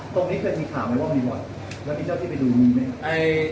ตรงนี้เคยมีข่าวไหมว่ามันมีบอร์ดแล้วมีเจ้าที่ไปดูมีไหมเอ่ย